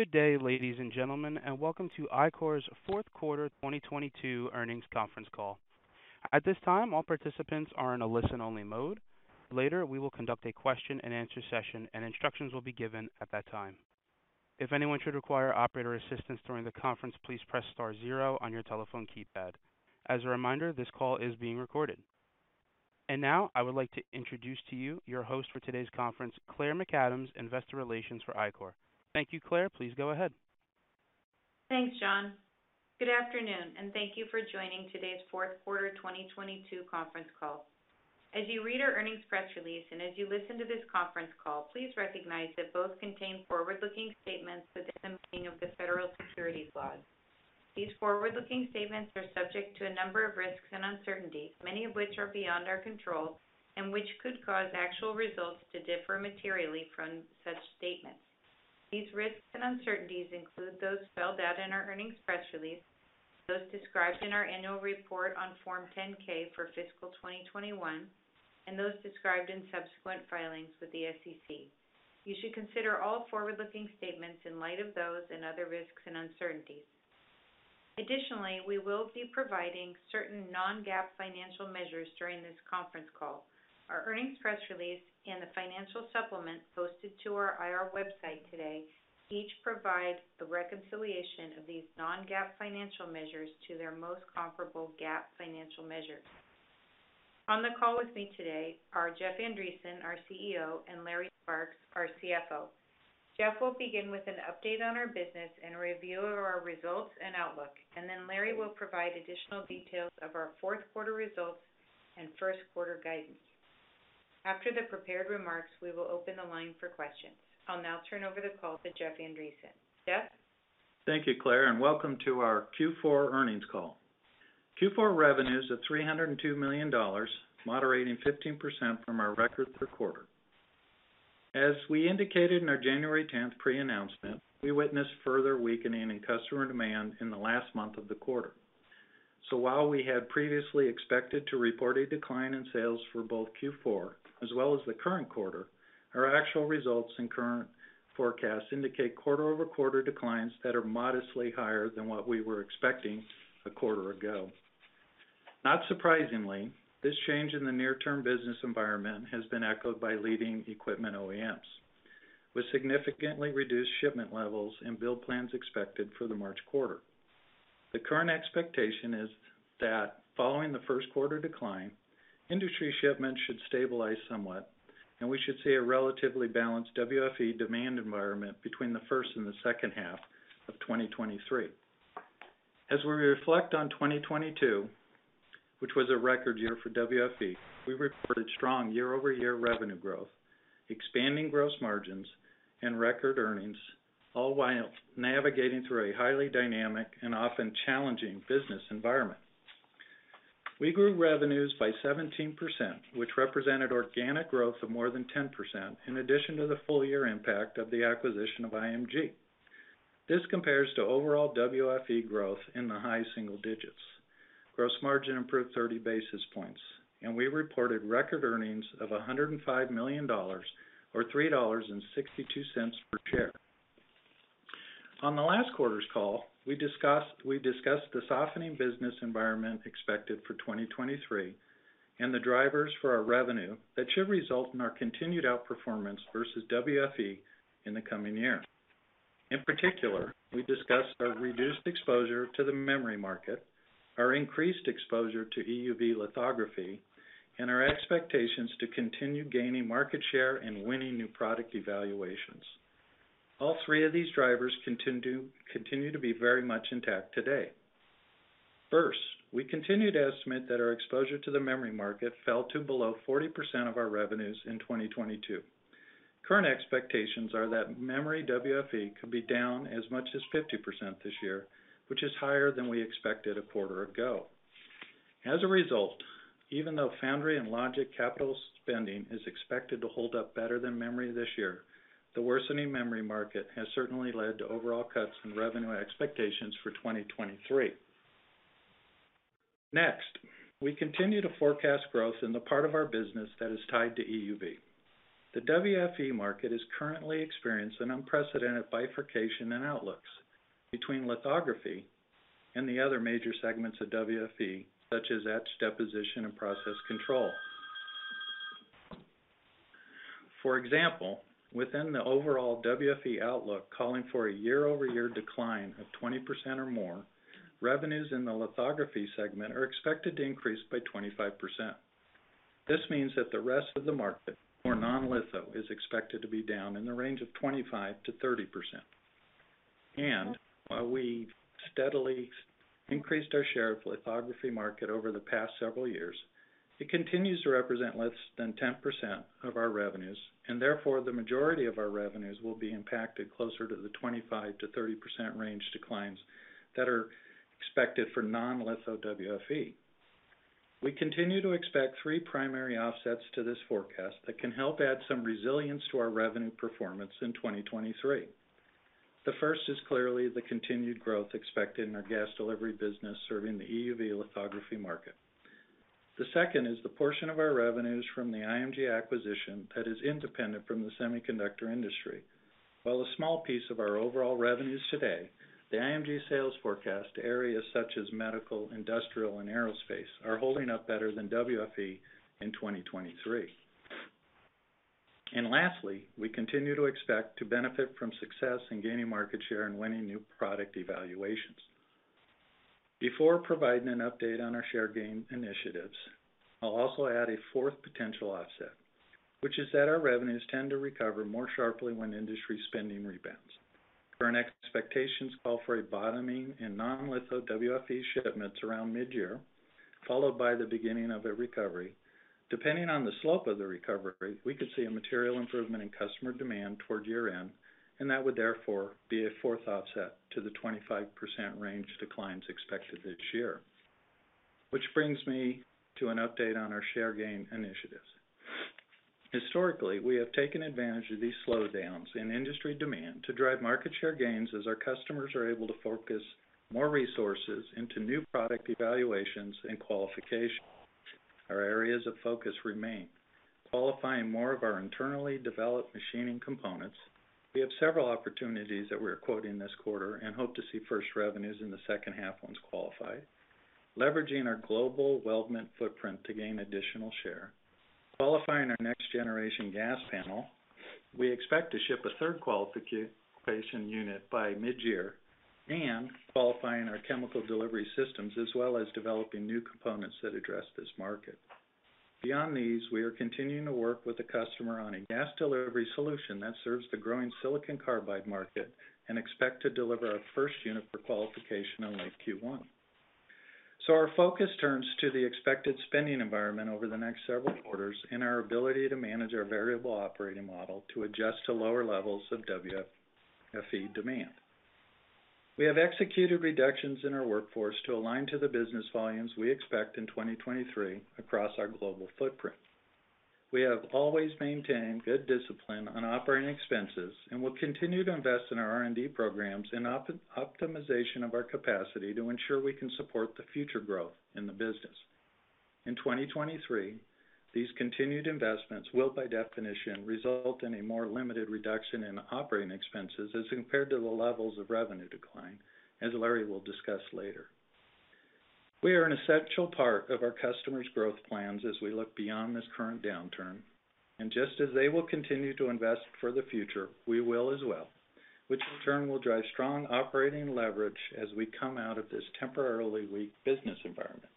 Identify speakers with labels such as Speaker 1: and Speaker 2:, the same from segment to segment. Speaker 1: Good day, ladies and gentlemen, and welcome to Ichor's fourth quarter 2022 earnings conference call. At this time, all participants are in a listen-only mode. Later, we will conduct a question-and-answer session, and instructions will be given at that time. If anyone should require operator assistance during the conference, please press star zero on your telephone keypad. As a reminder, this call is being recorded. Now, I would like to introduce to you your host for today's conference, Claire McAdams, Investor Relations for Ichor. Thank you, Claire. Please go ahead.
Speaker 2: Thanks, John. Good afternoon, and thank you for joining today's fourth quarter 2022 conference call. As you read our earnings press release, and as you listen to this conference call, please recognize that both contain forward-looking statements within the meaning of the federal securities laws. These forward-looking statements are subject to a number of risks and uncertainties, many of which are beyond our control and which could cause actual results to differ materially from such statements. These risks and uncertainties include those spelled out in our earnings press release, those described in our annual report on Form 10-K for fiscal 2021, and those described in subsequent filings with the SEC. You should consider all forward-looking statements in light of those and other risks and uncertainties. Additionally, we will be providing certain non-GAAP financial measures during this conference call. Our earnings press release and the financial supplement posted to our IR website today each provide the reconciliation of these non-GAAP financial measures to their most comparable GAAP financial measures. On the call with me today are Jeff Andreson, our CEO, and Larry Sparks, our CFO. Jeff will begin with an update on our business and a review of our results and outlook, and then Larry will provide additional details of our fourth quarter results and first quarter guidance. After the prepared remarks, we will open the line for questions. I'll now turn over the call to Jeff Andreson. Jeff?
Speaker 3: Thank you, Claire. Welcome to our Q4 earnings call. Q4 revenues of $302 million, moderating 15% from our record per quarter. As we indicated in our January tenth pre-announcement, we witnessed further weakening in customer demand in the last month of the quarter. While we had previously expected to report a decline in sales for both Q4 as well as the current quarter, our actual results and current forecasts indicate quarter-over-quarter declines that are modestly higher than what we were expecting a quarter ago. Not surprisingly, this change in the near-term business environment has been echoed by leading equipment OEMs, with significantly reduced shipment levels and build plans expected for the March quarter. The current expectation is that following the first quarter decline, industry shipments should stabilize somewhat, and we should see a relatively balanced WFE demand environment between the first and the second half of 2023. As we reflect on 2022, which was a record year for WFE, we reported strong year-over-year revenue growth, expanding gross margins, and record earnings, all while navigating through a highly dynamic and often challenging business environment. We grew revenues by 17%, which represented organic growth of more than 10%, in addition to the full-year impact of the acquisition of IMG. This compares to overall WFE growth in the high single digits. Gross margin improved 30 basis points, and we reported record earnings of $105 million or $3.62 per share. On the last quarter's call, we discussed the softening business environment expected for 2023 and the drivers for our revenue that should result in our continued outperformance versus WFE in the coming year. In particular, we discussed our reduced exposure to the memory market, our increased exposure to EUV lithography, and our expectations to continue gaining market share and winning new product evaluations. All three of these drivers continue to be very much intact today. First, we continue to estimate that our exposure to the memory market fell to below 40% of our revenues in 2022. Current expectations are that memory WFE could be down as much as 50% this year, which is higher than we expected a quarter ago. Even though foundry and logic capital spending is expected to hold up better than memory this year, the worsening memory market has certainly led to overall cuts in revenue expectations for 2023. We continue to forecast growth in the part of our business that is tied to EUV. The WFE market is currently experiencing an unprecedented bifurcation in outlooks between lithography and the other major segments of WFE, such as etch, deposition, and process control. Within the overall WFE outlook calling for a year-over-year decline of 20% or more, revenues in the lithography segment are expected to increase by 25%. This means that the rest of the market, or non-litho, is expected to be down in the range of 25%-30%. While we steadily increased our share of lithography market over the past several years, it continues to represent less than 10% of our revenues, and therefore the majority of our revenues will be impacted closer to the 25%-30% range declines that are expected for non-litho WFE. We continue to expect three primary offsets to this forecast that can help add some resilience to our revenue performance in 2023. The first is clearly the continued growth expected in our gas delivery business serving the EUV lithography market. The second is the portion of our revenues from the IMG acquisition that is independent from the semiconductor industry. While a small piece of our overall revenues today, the IMG sales forecast areas such as medical, industrial, and aerospace are holding up better than WFE in 2023. Lastly, we continue to expect to benefit from success in gaining market share and winning new product evaluations. Before providing an update on our share gain initiatives, I'll also add a fourth potential offset, which is that our revenues tend to recover more sharply when industry spending rebounds. Current expectations call for a bottoming in non-litho WFE shipments around mid-year, followed by the beginning of a recovery. Depending on the slope of the recovery, we could see a material improvement in customer demand toward year-end, and that would therefore be a fourth offset to the 25% range declines expected this year. Which brings me to an update on our share gain initiatives. Historically, we have taken advantage of these slowdowns in industry demand to drive market share gains as our customers are able to focus more resources into new product evaluations and qualifications. Our areas of focus remain: qualifying more of our internally developed machining components. We have several opportunities that we are quoting this quarter and hope to see first revenues in the second half once qualified. Leveraging our global weldment footprint to gain additional share. Qualifying our next generation gas panel. We expect to ship a third qualification unit by mid-year and qualifying our chemical delivery systems, as well as developing new components that address this market. Beyond these, we are continuing to work with the customer on a gas delivery solution that serves the growing silicon carbide market and expect to deliver our first unit for qualification in late Q1. Our focus turns to the expected spending environment over the next several quarters and our ability to manage our variable operating model to adjust to lower levels of WFE demand. We have executed reductions in our workforce to align to the business volumes we expect in 2023 across our global footprint. We have always maintained good discipline on operating expenses, and we'll continue to invest in our R&D programs and optimization of our capacity to ensure we can support the future growth in the business. In 2023, these continued investments will by definition, result in a more limited reduction in operating expenses as compared to the levels of revenue decline, as Larry will discuss later. Just as they will continue to invest for the future, we will as well, which in turn will drive strong operating leverage as we come out of this temporarily weak business environment.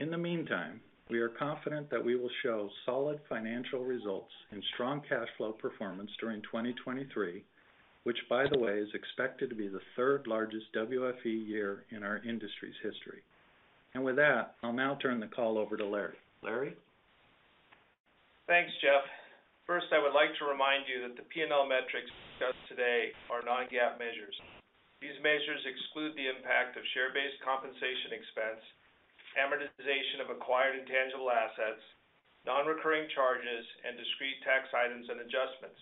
Speaker 3: In the meantime, we are confident that we will show solid financial results and strong cash flow performance during 2023, which by the way, is expected to be the third-largest WFE year in our industry's history. With that, I'll now turn the call over to Larry. Larry?
Speaker 4: Thanks, Jeff. First, I would like to remind you that the P&L metrics discussed today are non-GAAP measures. These measures exclude the impact of share-based compensation expense, amortization of acquired intangible assets, non-recurring charges, and discrete tax items and adjustments.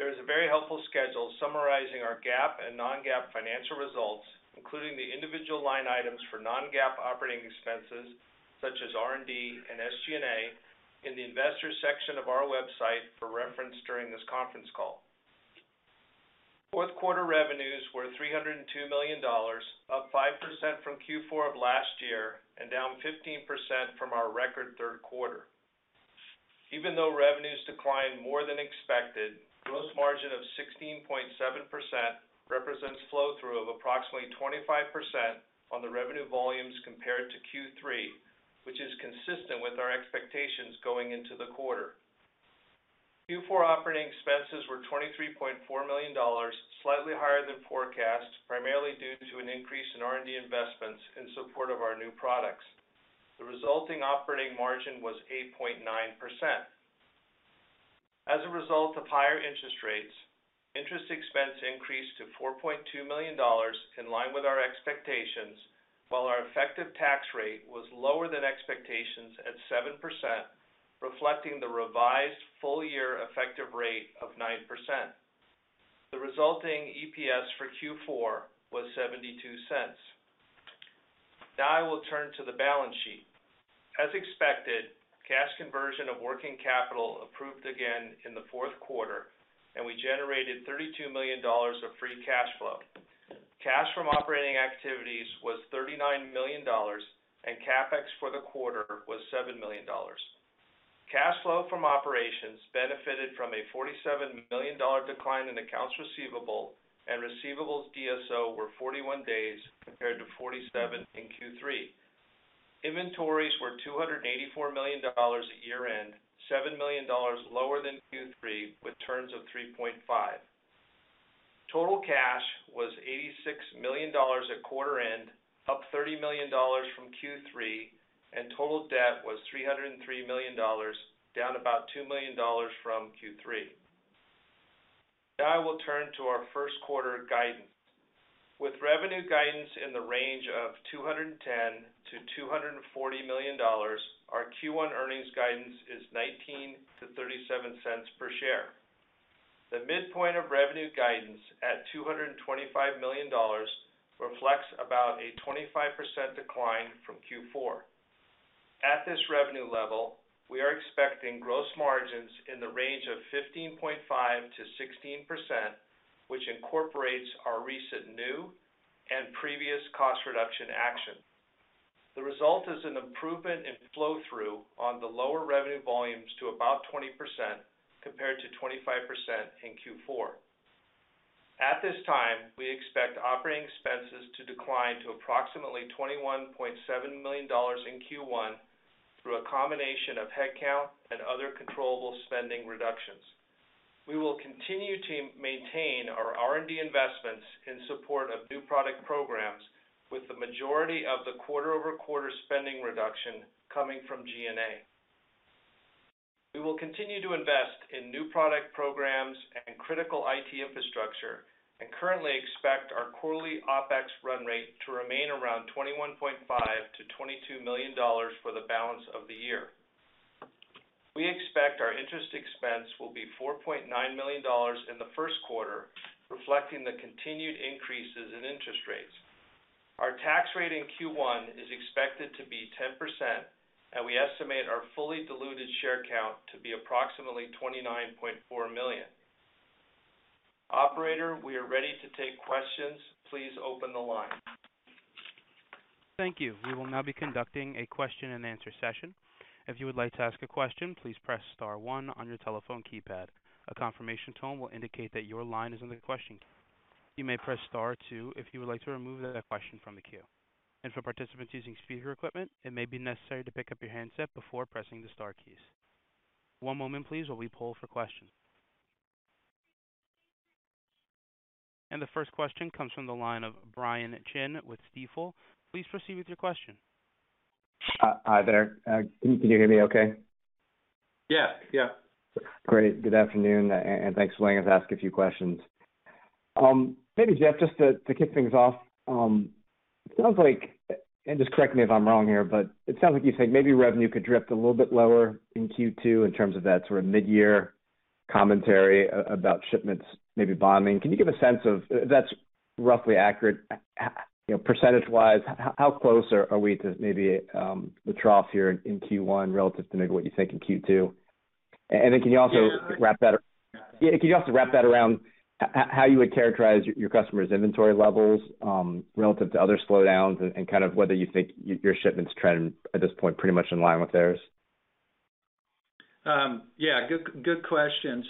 Speaker 4: There is a very helpful schedule summarizing our GAAP and non-GAAP financial results, including the individual line items for non-GAAP operating expenses such as R&D and SG&A in the investors section of our website for reference during this conference call. Fourth quarter revenues were $302 million, up 5% from Q4 of last year and down 15% from our record third quarter. Even though revenues declined more than expected, gross margin of 16.7% represents flow-through of approximately 25% on the revenue volumes compared to Q3, which is consistent with our expectations going into the quarter. Q4 operating expenses were $23.4 million, slightly higher than forecast, primarily due to an increase in R&D investments in support of our new products. The resulting operating margin was 8.9%. As a result of higher interest rates, interest expense increased to $4.2 million in line with our expectations, while our effective tax rate was lower than expectations at 7%, reflecting the revised full-year effective rate of 9%. The resulting EPS for Q4 was $0.72. I will turn to the balance sheet. As expected, cash conversion of working capital improved again in the fourth quarter, and we generated $32 million of free cash flow. Cash from operating activities was $39 million, and CapEx for the quarter was $7 million. Cash flow from operations benefited from a $47 million decline in accounts receivable, and receivables DSO were 41 days compared to 47 in Q3. Inventories were $284 million at year-end, $7 million lower than Q3 with turns of 3.5. Total cash was $86 million at quarter end, up $30 million from Q3, and total debt was $303 million, down about $2 million from Q3. Now I will turn to our first quarter guidance. With revenue guidance in the range of $210 million-$240 million. Our Q1 earnings guidance is $0.19-$0.37 per share. The midpoint of revenue guidance at $225 million reflects about a 25% decline from Q4. At this revenue level, we are expecting gross margins in the range of 15.5%-16%, which incorporates our recent new and previous cost reduction action. The result is an improvement in flow-through on the lower revenue volumes to about 20% compared to 25% in Q4. At this time, we expect operating expenses to decline to approximately $21.7 million in Q1 through a combination of headcount and other controllable spending reductions. We will continue to maintain our R&D investments in support of new product programs with the majority of the quarter-over-quarter spending reduction coming from G&A. We will continue to invest in new product programs and critical IT infrastructure, and currently expect our quarterly OpEx run rate to remain around $21.5 million-$22 million for the balance of the year. We expect our interest expense will be $4.9 million in the first quarter, reflecting the continued increases in interest rates. Our tax rate in Q1 is expected to be 10%, and we estimate our fully diluted share count to be approximately 29.4 million. Operator, we are ready to take questions. Please open the line.
Speaker 1: Thank you. We will now be conducting a question-and-answer session. If you would like to ask a question, please press star one on your telephone keypad. A confirmation tone will indicate that your line is in the question. You may press star two if you would like to remove that question from the queue. For participants using speaker equipment, it may be necessary to pick up your handset before pressing the star keys. One moment please, while we poll for questions. The first question comes from the line of Brian Chin with Stifel. Please proceed with your question.
Speaker 5: Hi there. Can you hear me okay?
Speaker 3: Yeah. Yeah.
Speaker 5: Great. Good afternoon, and thanks for letting us ask a few questions. Maybe, Jeff, just to kick things off, it sounds like, and just correct me if I'm wrong here, but it sounds like you're saying maybe revenue could drift a little bit lower in Q2 in terms of that sort of mid-year commentary about shipments maybe bottoming. Can you give a sense of if that's roughly accurate, how, you know, percentage-wise, how close are we to maybe the trough here in Q1 relative to maybe what you think in Q2? Then can you also wrap that...
Speaker 3: Yeah.
Speaker 5: Yeah. Can you also wrap that around how you would characterize your customers' inventory levels, relative to other slowdowns and kind of whether you think your shipments trend at this point pretty much in line with theirs?
Speaker 3: Yeah, good question.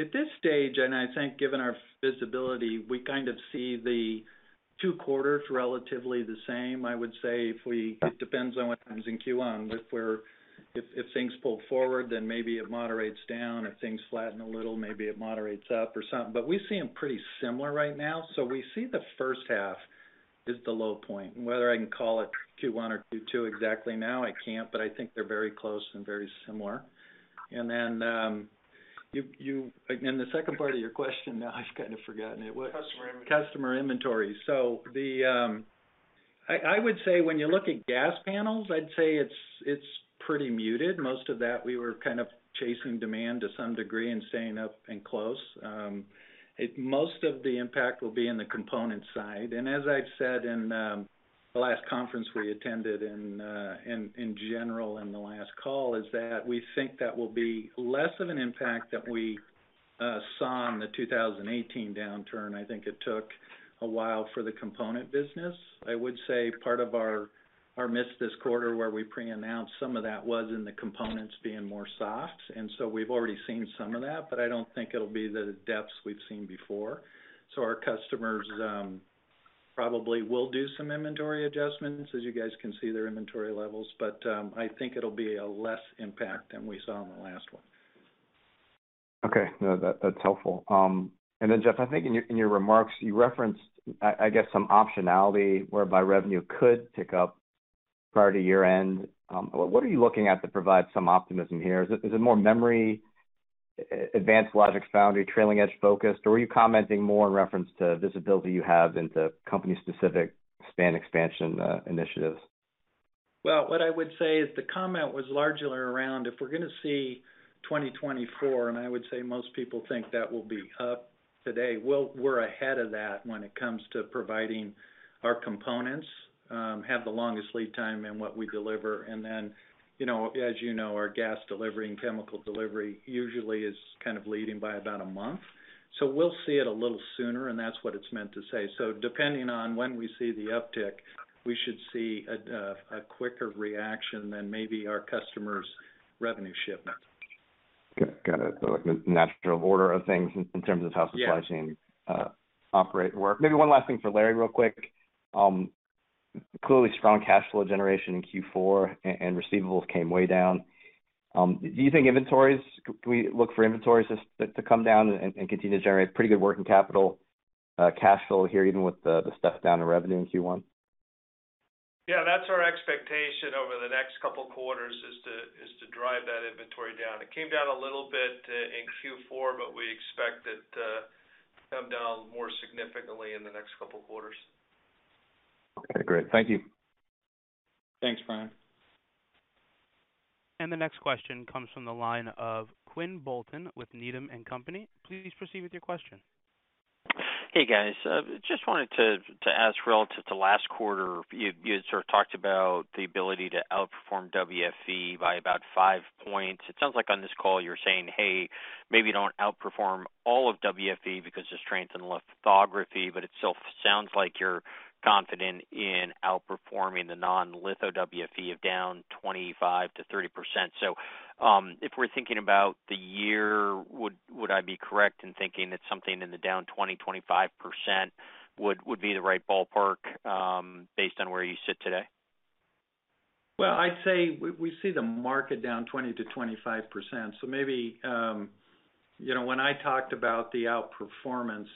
Speaker 3: At this stage, and I think given our visibility, we kind of see the two quarters relatively the same. I would say. It depends on what happens in Q1. If things pull forward, then maybe it moderates down. If things flatten a little, maybe it moderates up or something. We see them pretty similar right now. We see the first half is the low point. Whether I can call it Q1 or Q2 exactly now, I can't, but I think they're very close and very similar. Then, you. The second part of your question, now I've kind of forgotten it.
Speaker 5: Customer inventory.
Speaker 3: Customer inventory. I would say when you look at gas panels, I'd say it's pretty muted. Most of that we were kind of chasing demand to some degree and staying up and close. Most of the impact will be in the component side. As I've said in the last conference we attended and in general in the last call, is that we think that will be less of an impact that we saw in the 2018 downturn. I think it took a while for the component business. I would say part of our miss this quarter where we pre-announced some of that was in the components being more soft. We've already seen some of that, but I don't think it'll be the depths we've seen before. Our customers, probably will do some inventory adjustments, as you guys can see their inventory levels. I think it'll be a less impact than we saw in the last one.
Speaker 5: Okay. No, that's helpful. Then Jeff, I think in your, in your remarks, you referenced, I guess, some optionality whereby revenue could pick up prior to year-end. What are you looking at to provide some optimism here? Is it more memory, advanced logic foundry, trailing edge focused, or were you commenting more in reference to visibility you have into company-specific span expansion, initiatives?
Speaker 3: Well, what I would say is the comment was largely around if we're gonna see 2024, and I would say most people think that will be up today. Well, we're ahead of that when it comes to providing our components, have the longest lead time in what we deliver. Then, you know, as you know, our gas delivery and chemical delivery usually is kind of leading by about a month. We'll see it a little sooner, and that's what it's meant to say. Depending on when we see the uptick, we should see a quicker reaction than maybe our customers' revenue shipment.
Speaker 5: Okay. Got it. Like the natural order of things in terms of how-
Speaker 3: Yeah....
Speaker 5: the supply chain, operate work. Maybe one last thing for Larry real quick. Clearly strong cash flow generation in Q4 and receivables came way down. Do you think inventories... Can we look for inventories to come down and continue to generate pretty good working capital cash flow here, even with the step down in revenue in Q1?
Speaker 4: That's our expectation over the next couple quarters, is to drive that inventory down. It came down a little bit in Q4. We expect it to come down more significantly in the next couple quarters.
Speaker 5: Okay, great. Thank you.
Speaker 4: Thanks, Brian.
Speaker 1: The next question comes from the line of Quinn Bolton with Needham & Company. Please proceed with your question.
Speaker 6: Hey, guys. just wanted to ask relative to last quarter, you had sort of talked about the ability to outperform WFE by about five points. It sounds like on this call you're saying, "Hey, maybe you don't outperform all of WFE because the strength in lithography," but it still sounds like you're confident in outperforming the non-litho WFE of down 25%-30%. If we're thinking about the year, would I be correct in thinking that something in the down 20%-25% would be the right ballpark, based on where you sit today?
Speaker 3: Well, I'd say we see the market down 20%-25%. you know, when I talked about the outperformance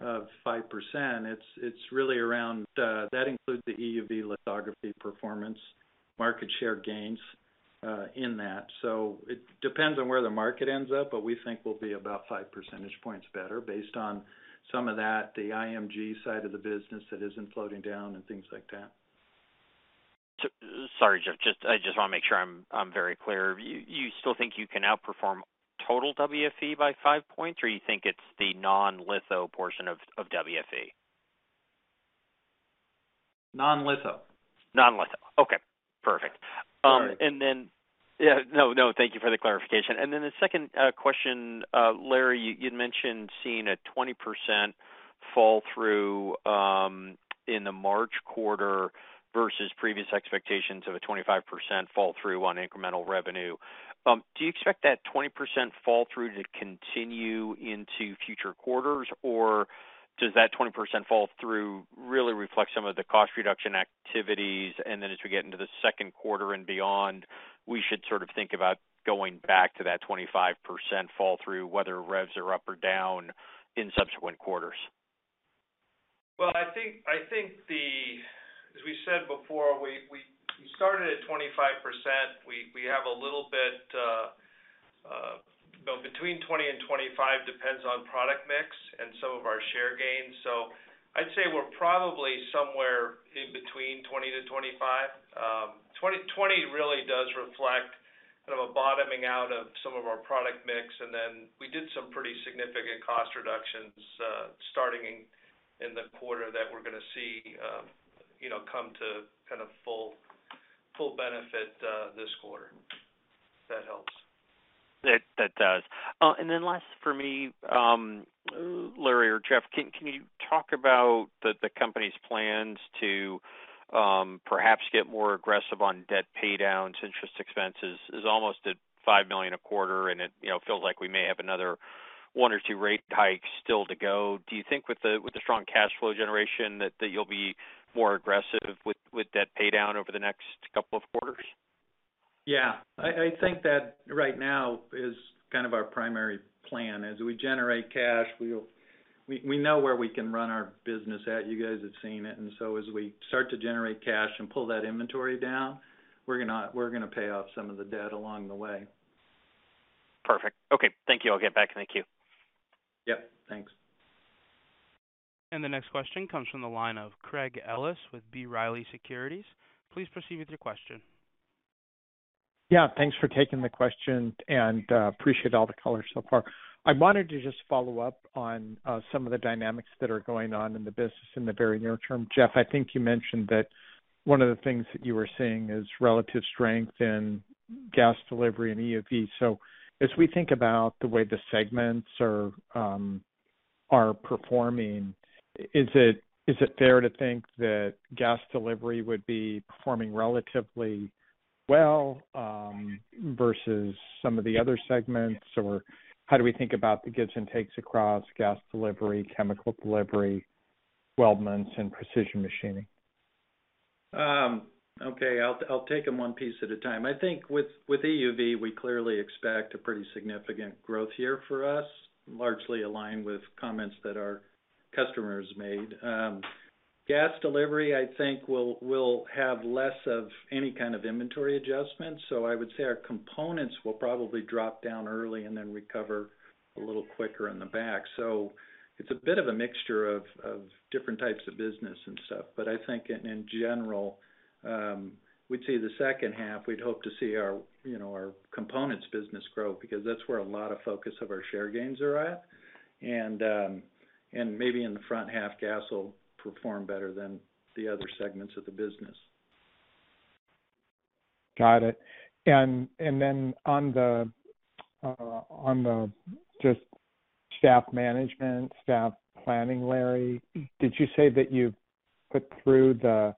Speaker 3: of 5%, it's really around that includes the EUV lithography performance, market share gains in that. It depends on where the market ends up, but we think we'll be about 5 percentage points better based on some of that, the IMG side of the business that isn't floating down and things like that.
Speaker 6: Sorry, Jeff, I just wanna make sure I'm very clear. You still think you can outperform total WFE by 5 points, or you think it's the non-litho portion of WFE?
Speaker 3: Non-litho.
Speaker 6: Non-litho. Okay, perfect.
Speaker 3: Sorry.
Speaker 6: Yeah. No, no, thank you for the clarification. The second question, Larry, you'd mentioned seeing a 20% fall through in the March quarter versus previous expectations of a 25% fall through on incremental revenue. Do you expect that 20% fall through to continue into future quarters, or does that 20% fall through really reflect some of the cost reduction activities, and then as we get into the second quarter and beyond, we should sort of think about going back to that 25% fall through whether revs are up or down in subsequent quarters?
Speaker 4: Well, I think the. As we said before, we started at 25%. We have a little bit, you know, between 20% and 25%, depends on product mix and some of our share gains. I'd say we're probably somewhere in between 20%-25%. 20% really does reflect sort of a bottoming out of some of our product mix. Then we did some pretty significant cost reductions, starting in the quarter that we're gonna see, you know, come to kind of full benefit this quarter. If that helps.
Speaker 6: That does. Last for me, Larry or Jeff, can you talk about the company's plans to perhaps get more aggressive on debt pay downs? Interest expenses is almost at $5 million a quarter, and it, you know, feels like we may have another one or two rate hikes still to go. Do you think with the strong cash flow generation that you'll be more aggressive with debt pay down over the next couple of quarters?
Speaker 3: Yeah. I think that right now is kind of our primary plan. As we generate cash, we'll. We know where we can run our business at. You guys have seen it. As we start to generate cash and pull that inventory down, we're gonna pay off some of the debt along the way.
Speaker 6: Perfect. Okay. Thank you. I'll get back in the queue.
Speaker 3: Yep. Thanks.
Speaker 1: The next question comes from the line of Craig Ellis with B. Riley Securities. Please proceed with your question.
Speaker 7: Thanks for taking the question, and appreciate all the color so far. I wanted to just follow up on some of the dynamics that are going on in the business in the very near term. Jeff, I think you mentioned that one of the things that you were seeing is relative strength in gas delivery and EUV. As we think about the way the segments are performing, is it, is it fair to think that gas delivery would be performing relatively well versus some of the other segments? Or how do we think about the gives and takes across gas delivery, chemical delivery, weldments and precision machining?
Speaker 3: Okay. I'll take them one piece at a time. I think with EUV, we clearly expect a pretty significant growth year for us, largely aligned with comments that our customers made. Gas delivery, I think will have less of any kind of inventory adjustments. I would say our components will probably drop down early and then recover a little quicker in the back. It's a bit of a mixture of different types of business and stuff. I think in general, we'd say the second half, we'd hope to see our, you know, our components business grow because that's where a lot of focus of our share gains are at. Maybe in the front half, gas will perform better than the other segments of the business.
Speaker 7: Got it. Then on the, on the just staff management, staff planning, Larry, did you say that you've put through the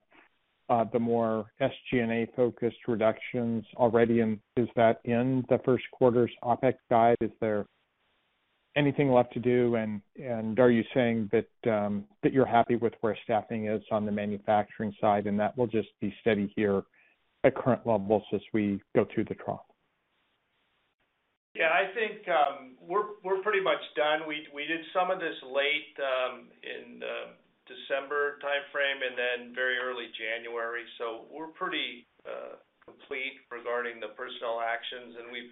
Speaker 7: more SG&A-focused reductions already? Is that in the first quarter's OpEx guide? Is there anything left to do? Are you saying that you're happy with where staffing is on the manufacturing side, and that will just be steady here at current levels as we go through the trough?
Speaker 4: Yeah, I think, we're pretty much done. We did some of this late in the December timeframe and then very early January. Regarding the personnel actions, we've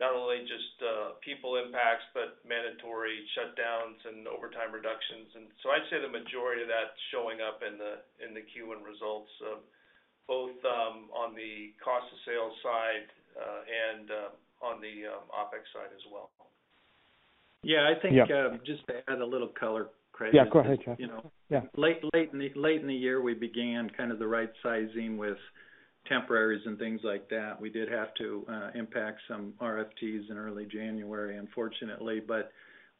Speaker 4: not only just people impacts, but mandatory shutdowns and overtime reductions. I'd say the majority of that's showing up in the Q1 results, both on the cost of sales side, and on the OpEx side as well.
Speaker 3: Yeah.
Speaker 7: Yeah.
Speaker 3: Just to add a little color, Craig.
Speaker 7: Yeah, go ahead, Jeff.
Speaker 3: You know.
Speaker 7: Yeah.
Speaker 3: Late in the year, we began kind of the right sizing with temporaries and things like that. We did have to impact some RFPs in early January, unfortunately.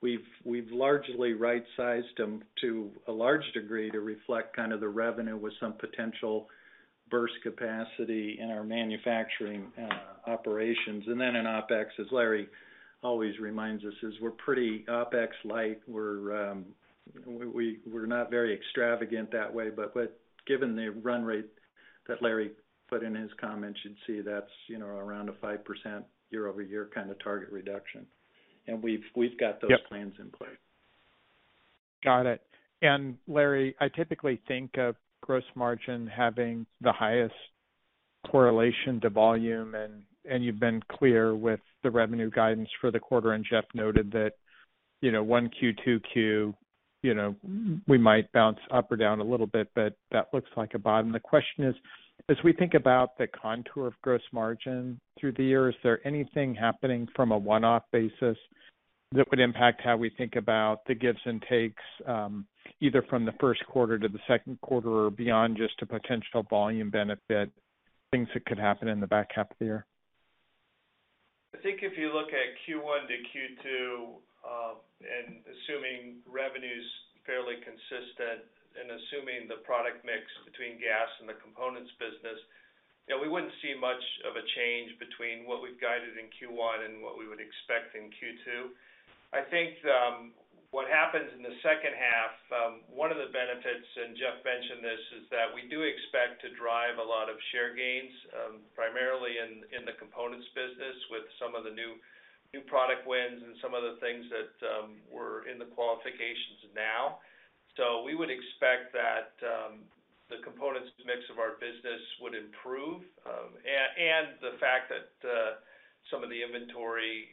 Speaker 3: We've largely right-sized them to a large degree to reflect kind of the revenue with some potential burst capacity in our manufacturing operations. In OpEx, as Larry always reminds us, is we're pretty OpEx light. We're not very extravagant that way. Given the run rate that Larry put in his comments, you'd see that's, you know, around a 5% year-over-year kind of target reduction. We've got those-
Speaker 7: Yeah.
Speaker 3: ...plans in play.
Speaker 7: Got it. Larry, I typically think of gross margin having the highest correlation to volume, and you've been clear with the revenue guidance for the quarter, and Jeff noted that, you know, one to 2Q, you know, we might bounce up or down a little bit, but that looks like a bottom. The question is, as we think about the contour of gross margin through the year, is there anything happening from a one-off basis that would impact how we think about the gives and takes, either from the first quarter to the second quarter or beyond, just a potential volume benefit, things that could happen in the back half of the year?
Speaker 4: I think if you look at Q1 to Q2, and assuming revenue's fairly consistent and assuming the product mix between gas and the components business, you know, we wouldn't see much of a change between what we've guided in Q1 and what we would expect in Q2. I think what happens in the second half, one of the benefits, and Jeff mentioned this, is that we do expect to drive a lot of share gains, primarily in the components business with some of the new product wins and some of the things that, were in the qualifications now. We would expect that, the components mix of our business would improve, and the fact that, some of the inventory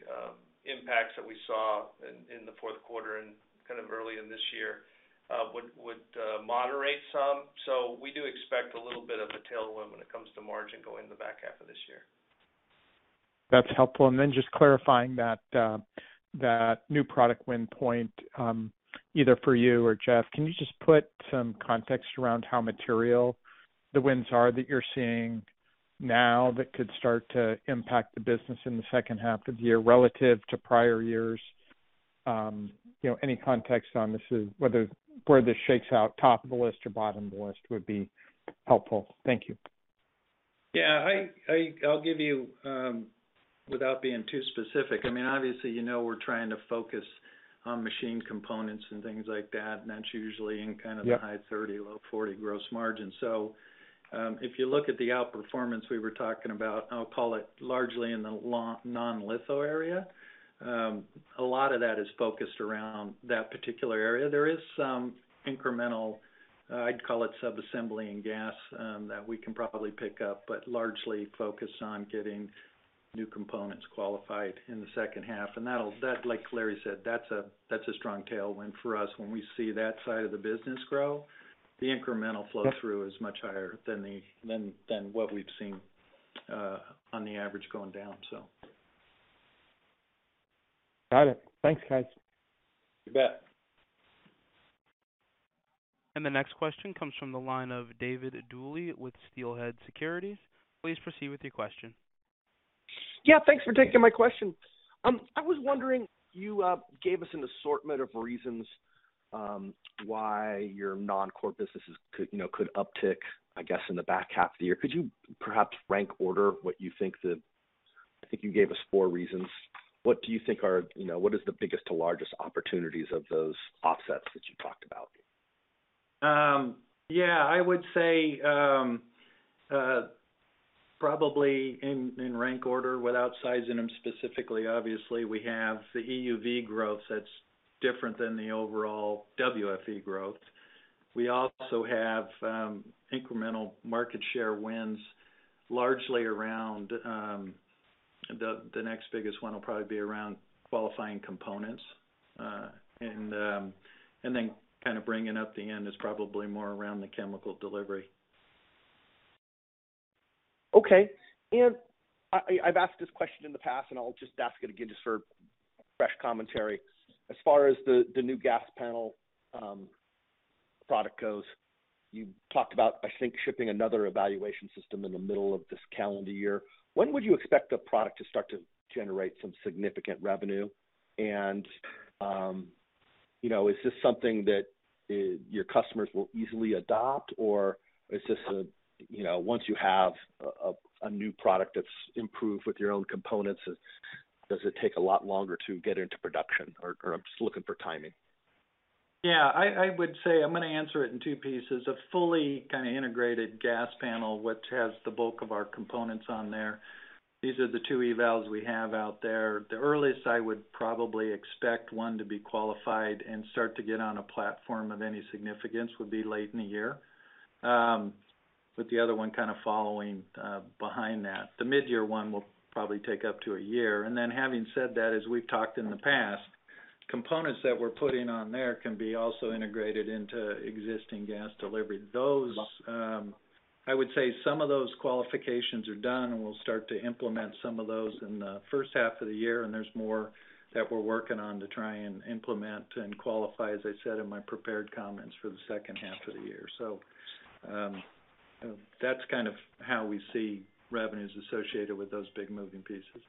Speaker 4: impacts that we saw in the fourth quarter and kind of early in this year, would moderate some. We do expect a little bit of a tailwind when it comes to margin going in the back half of this year.
Speaker 7: That's helpful. Just clarifying that new product win point, either for you or Jeff, can you just put some context around how material the wins are that you're seeing now that could start to impact the business in the second half of the year relative to prior years? You know, any context on this is whether where this shakes out top of the list or bottom of the list would be helpful. Thank you.
Speaker 3: Yeah, I'll give you, without being too specific, I mean, obviously, you know, we're trying to focus on machine components and things like that, and that's usually in kind of-
Speaker 7: Yeah.
Speaker 3: ...the high 30%, low 40% gross margin. If you look at the outperformance we were talking about, I'll call it largely in the non-litho area, a lot of that is focused around that particular area. There is some incremental, I'd call it sub-assembly and gas, that we can probably pick up, but largely focused on getting new components qualified in the second half. That, like Larry said, that's a strong tailwind for us. When we see that side of the business grow, the incremental flow-through-
Speaker 7: Yeah.
Speaker 3: ...is much higher than the, than what we've seen, on the average going down, so.
Speaker 7: Got it. Thanks, guys.
Speaker 4: You bet.
Speaker 1: The next question comes from the line of David Duley with Steelhead Securities. Please proceed with your question.
Speaker 8: Thanks for taking my question. I was wondering, you gave us an assortment of reasons, why your non-core businesses could, you know, could uptick, I guess, in the back half of the year. Could you perhaps rank order what you think? I think you gave us four reasons. What do you think are, you know, what is the biggest to largest opportunities of those offsets that you talked about?
Speaker 3: Yeah, I would say, probably in rank order without sizing them specifically, obviously, we have the EUV growth that's different than the overall WFE growth. We also have incremental market share wins largely around the next biggest one will probably be around qualifying components. Then kind of bringing up the end is probably more around the chemical delivery.
Speaker 8: Okay. I've asked this question in the past, and I'll just ask it again just for fresh commentary. As far as the new gas panel product goes, you talked about, I think, shipping another evaluation system in the middle of this calendar year. When would you expect the product to start to generate some significant revenue? You know, is this something that your customers will easily adopt? Is this a, you know, once you have a new product that's improved with your own components, does it take a lot longer to get into production? I'm just looking for timing.
Speaker 3: Yeah, I would say I'm gonna answer it in two pieces. A fully kind of integrated gas panel, which has the bulk of our components on there. These are the two evals we have out there. The earliest I would probably expect one to be qualified and start to get on a platform of any significance would be late in the year, with the other one kind of following behind that. The midyear one will probably take up to 1 year. Having said that, as we've talked in the past, components that we're putting on there can be also integrated into existing gas delivery. Those, I would say some of those qualifications are done, and we'll start to implement some of those in the first half of the year, and there's more that we're working on to try and implement and qualify, as I said in my prepared comments, for the second half of the year. That's kind of how we see revenues associated with those big moving pieces.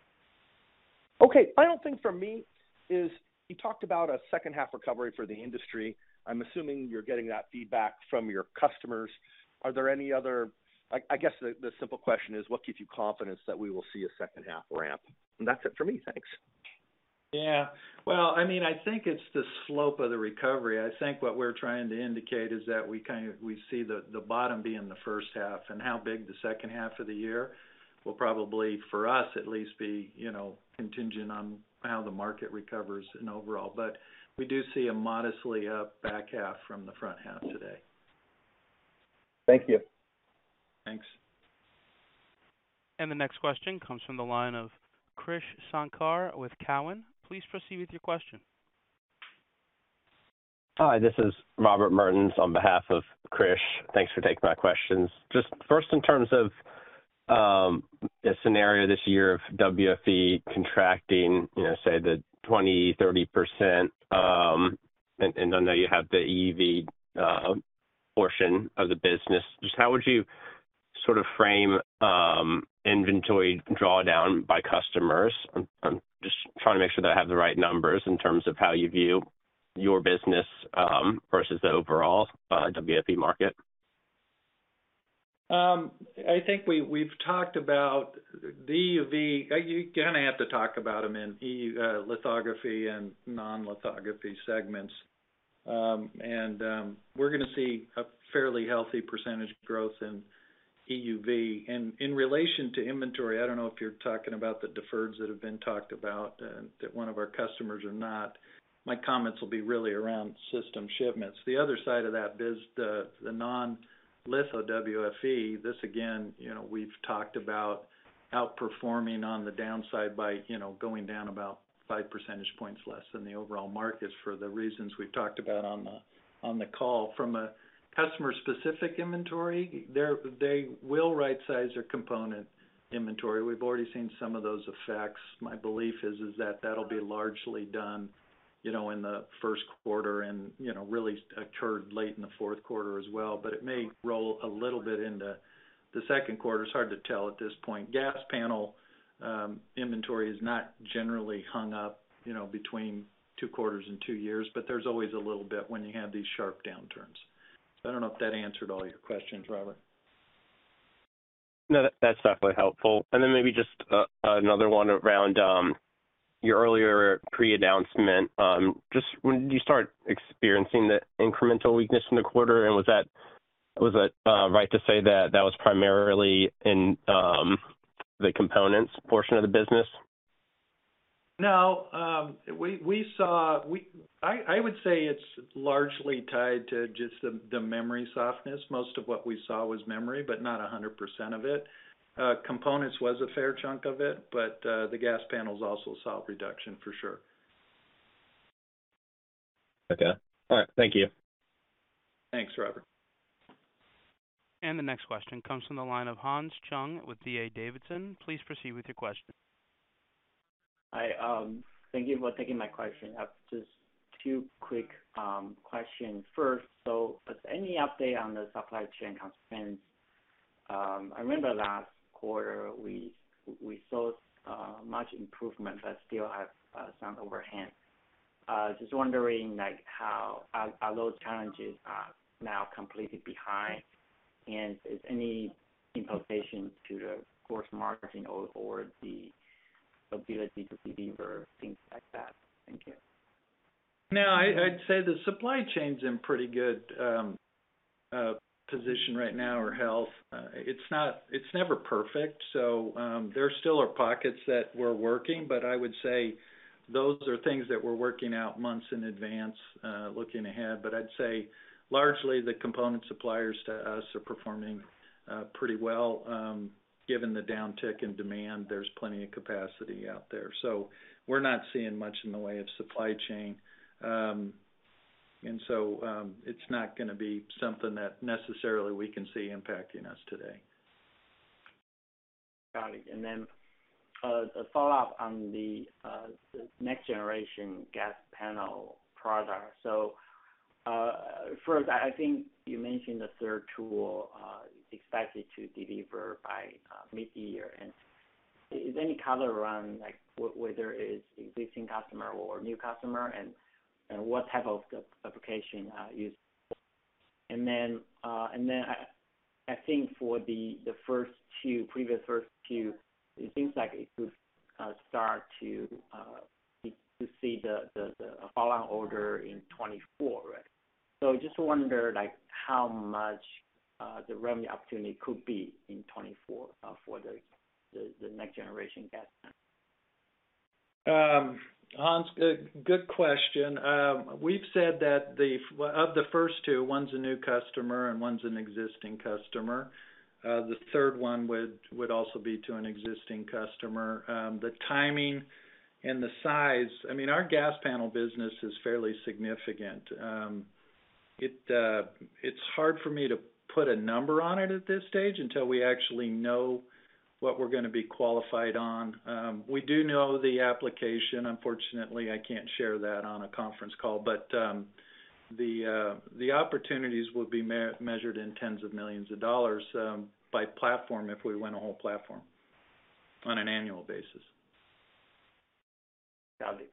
Speaker 8: Okay. Final thing from me is you talked about a second-half recovery for the industry. I'm assuming you're getting that feedback from your customers. Are there any other... I guess the simple question is, what gives you confidence that we will see a second half ramp? That's it for me. Thanks.
Speaker 3: Well, I mean, I think it's the slope of the recovery. I think what we're trying to indicate is that we see the bottom being the first half, how big the second half of the year will probably, for us, at least be, you know, contingent on how the market recovers in overall. We do see a modestly up back half from the front half today.
Speaker 8: Thank you.
Speaker 3: Thanks.
Speaker 1: The next question comes from the line of Krish Sankar with Cowen. Please proceed with your question.
Speaker 9: Hi, this is Robert Mertens on behalf of Krish. Thanks for taking my questions. Just first, in terms of a scenario this year of WFE contracting, you know, say the 20%-30%, and I know you have the EUV portion of the business. Just how would you sort of frame inventory drawdown by customers? I'm just trying to make sure that I have the right numbers in terms of how you view your business versus the overall WFE market.
Speaker 3: I think we've talked about the EUV. You're going to have to talk about them in EUV lithography and non-lithography segments. We're going to see a fairly healthy percentage growth in EUV. In relation to inventory, I don't know if you're talking about the deferreds that have been talked about that one of our customers or not. My comments will be really around system shipments. The other side of that is the non-litho WFE. This, again, you know, we've talked about outperforming on the downside by, you know, going down about 5 percentage points less than the overall markets for the reasons we've talked about on the call. From a customer-specific inventory, they will right-size their component inventory. We've already seen some of those effects. My belief is that that'll be largely done, you know, in the first quarter and, you know, really occurred late in the fourth quarter as well. It may roll a little bit into the second quarter. It's hard to tell at this point. Gas panel, inventory is not generally hung up, you know, between two quarters and two years, but there's always a little bit when you have these sharp downturns. I don't know if that answered all your questions, Robert.
Speaker 9: No, that's definitely helpful. Maybe just a, another one around, your earlier pre-announcement. Just when did you start experiencing the incremental weakness in the quarter? Was it right to say that that was primarily in the components portion of the business?
Speaker 3: No. I would say it's largely tied to just the memory softness. Most of what we saw was memory. Not 100% of it. Components was a fair chunk of it. The gas panels also saw a reduction for sure.
Speaker 9: Okay. All right. Thank you.
Speaker 3: Thanks, Robert.
Speaker 1: The next question comes from the line of Hans Chung with D.A. Davidson. Please proceed with your question.
Speaker 10: Hi, thank you for taking my question. I have just two quick questions. First, as any update on the supply chain constraints, I remember last quarter, we saw much improvement but still have some overhang. Just wondering, like, are those challenges now completely behind? Is any implications to the course marketing or the ability to deliver things like that? Thank you.
Speaker 3: No, I'd say the supply chain's in pretty good position right now or health. It's never perfect, so there still are pockets that we're working, but I would say those are things that we're working out months in advance, looking ahead. I'd say largely the component suppliers to us are performing pretty well, given the downtick in demand. There's plenty of capacity out there. We're not seeing much in the way of supply chain. It's not gonna be something that necessarily we can see impacting us today.
Speaker 10: Got it. A follow-up on the next generation gas panel product. First I think you mentioned the third tool is expected to deliver by mid-year. Is any color around whether it's existing customer or new customer and what type of application use? I think for the first two, previous first two, it seems like it could start to see the follow order in 2024, right? I just wonder how much the revenue opportunity could be in 2024 for the next generation gas panel.
Speaker 3: Hans, good question. We've said that the... Of the first two, one's a new customer and one's an existing customer. The third one would also be to an existing customer. The timing and the size... I mean, our gas panel business is fairly significant. It's hard for me to put a number on it at this stage until we actually know what we're gonna be qualified on. We do know the application. Unfortunately, I can't share that on a conference call. The opportunities will be measured in tens of millions of dollars by platform if we win a whole platform on an annual basis.
Speaker 10: Got it.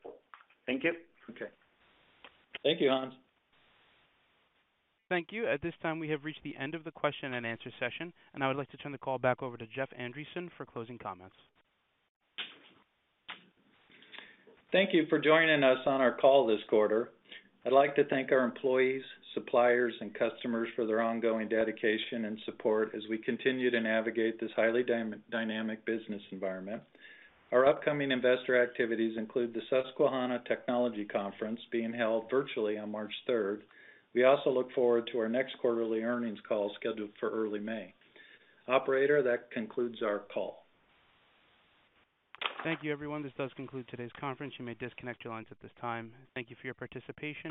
Speaker 10: Thank you.
Speaker 3: Okay. Thank you, Hans.
Speaker 1: Thank you. At this time, we have reached the end of the question and answer session. I would like to turn the call back over to Jeff Andreson for closing comments.
Speaker 3: Thank you for joining us on our call this quarter. I'd like to thank our employees, suppliers, and customers for their ongoing dedication and support as we continue to navigate this highly dynamic business environment. Our upcoming investor activities include the Susquehanna Technology Conference being held virtually on March third. We also look forward to our next quarterly earnings call scheduled for early May. Operator, that concludes our call.
Speaker 1: Thank you, everyone. This does conclude today's conference. You may disconnect your lines at this time. Thank you for your participation.